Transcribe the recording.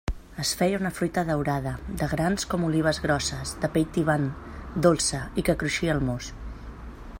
Es feia una fruita daurada, de grans com olives grosses, de pell tibant, dolça i que cruixia al mos.